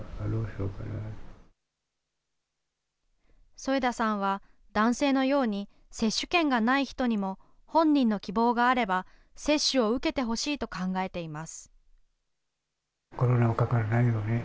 副田さんは、男性のように接種券がない人にも、本人の希望があれば、接種を受けてほしいと考えています。